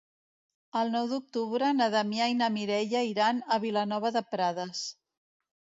El nou d'octubre na Damià i na Mireia iran a Vilanova de Prades.